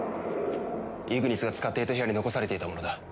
イグニスが使っていた部屋に残されていたものだ。